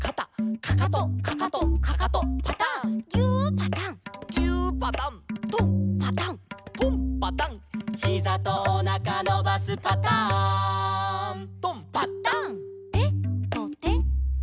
「かかとかかとかかとパタン」「ぎゅーパタン」「ぎゅーパタン」「とんパタン」「とんパタン」「ひざとおなかのばすパターン」「とん」「パタン」「てとてと」